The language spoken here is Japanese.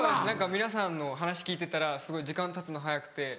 何か皆さんの話聞いてたらすごい時間たつの早くて。